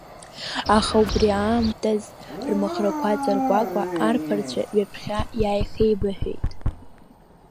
Аха убри аамтаз рмаӷрақәа ҵаркәакәа арԥарцәа ҩаԥхьа иааихеибаҳәеит.